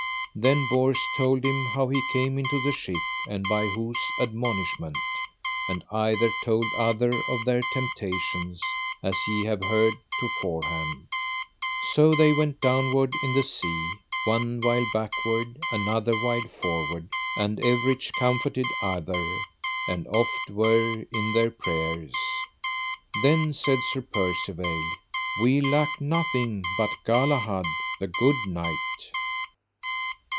Then Bors told him how he came into the ship, and by whose admonishment; and either told other of their temptations, as ye have heard to forehand. So went they downward in the sea, one while backward, another while forward, and everych comforted other, and oft were in their prayers. Then said Sir Percivale: We lack nothing but Galahad, the good knight.